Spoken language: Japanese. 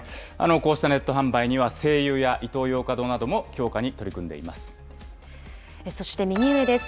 こうしたネット販売には西友やイトーヨーカ堂なども強化に取り組そして、右上です。